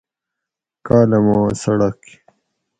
کالاماں څڑک